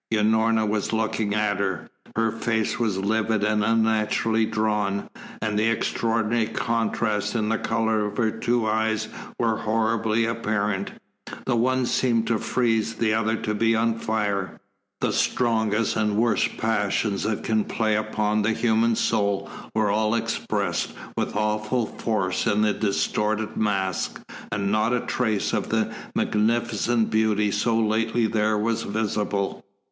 Unorna was looking at her. Her face was livid and unnaturally drawn, and the extraordinary contrast in the colour of her two eyes was horribly apparent. The one seemed to freeze, the other to be on fire. The strongest and worst passions that can play upon the human soul were all expressed with awful force in the distorted mask, and not a trace of the magnificent beauty so lately there was visible.